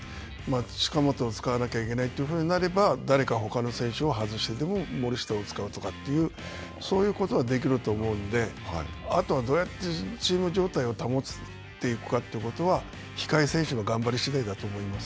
近本を使わなきゃいけないとなれば誰かほかの選手を外してでも森下を使うとかというそういうことはできると思うので、あとはどうやってチーム状態を保っていくかということは、控え選手の頑張り次第だと思います。